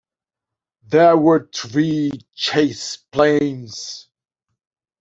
There were three chase planes.